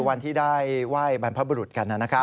วันที่ได้ไหว้บรรพบรุษกันนั้นนะครับ